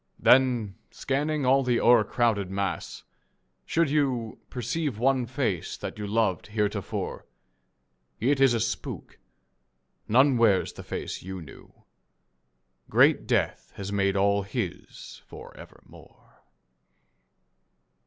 Then, scanning all the o'ercrowded mass, should you Perceive one face that you loved heretofore, It is a spook. None wears the face you knew. Great death has made all his for evermore.